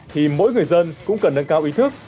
thì mỗi người dân cũng cần nâng cao ý thức